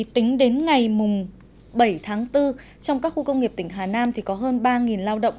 tính đến ngày bảy tháng bốn trong các khu công nghiệp tỉnh hà nam có hơn ba lao động